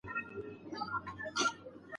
ښوونځې تللې مور د روغ ژوند مثال ګرځي.